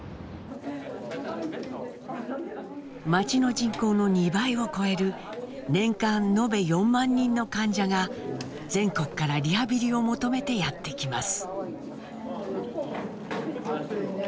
町の人口の２倍を超える年間延べ４万人の患者が全国からリハビリを求めてやって来ます。